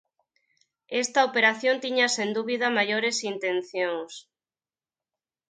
Esta operación tiña sen dúbida maiores intencións.